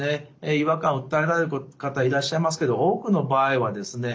違和感を訴えられる方いらっしゃいますけど多くの場合はですね